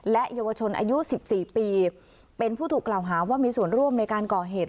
และเยาวชนอายุ๑๔ปีเป็นผู้ถูกกล่าวหาว่ามีส่วนร่วมในการก่อเหตุ